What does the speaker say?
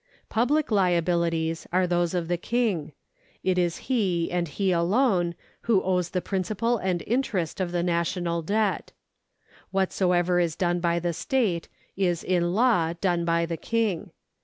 Public liabilities are those of the King ; it is he, and he alone, who owes the principal and interest of the national debt. Whatsoever is done by the state is in law done by the King.